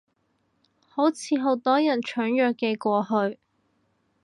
好似好多人搶藥寄過去